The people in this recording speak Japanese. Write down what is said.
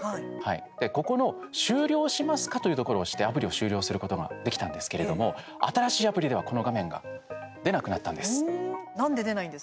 ここの「終了しますか？」というところを押してアプリを終了することができたんですけれども新しいアプリではこの画面が出なくなったんです。